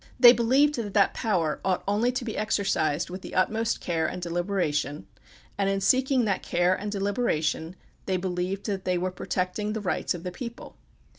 They believed that that power ought only to be exercised with the utmost care and delibera tion, and in seeking that care and deUberation they believed that they were protecting the rights of the people.